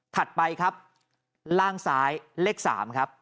ไปครับล่างซ้ายเลข๓ครับ